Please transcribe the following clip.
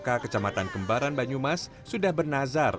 atau aku semua disini sudah ingat